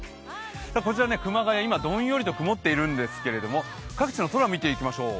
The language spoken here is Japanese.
こちら、熊谷、今、どんよりと曇っているんですけれども、各地の空、見ていきましょう。